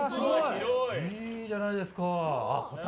いいじゃないですか。